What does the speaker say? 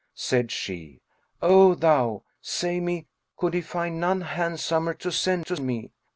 Said she, "O thou! say me, could he find none handsomer to send to me?"